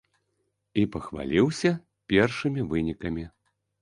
І пахваліўся першымі вынікамі.